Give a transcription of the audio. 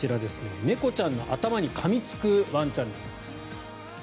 猫ちゃんの頭にかみつくワンちゃんです。